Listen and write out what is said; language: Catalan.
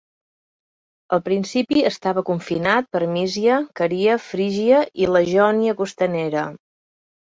Al principi estava confinat per Mísia, Caria, Frígia i la Jònia costanera.